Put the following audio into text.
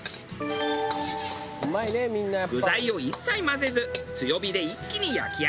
具材を一切混ぜず強火で一気に焼き上げる。